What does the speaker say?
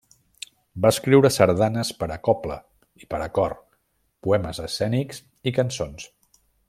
Va escriure sardanes per a cobla i per a cor, poemes escènics i cançons.